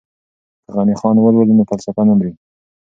که غني خان ولولو نو فلسفه نه مري.